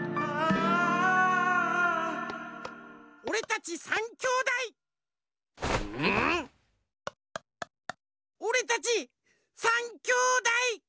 おれたち３きょうだい！